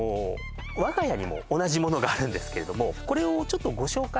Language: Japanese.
我が家にも同じものがあるんですけれどもこれをちょっとご紹介